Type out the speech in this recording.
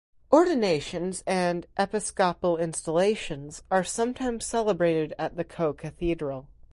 Ordinations and episcopal installations are sometimes celebrated at the co-cathedral.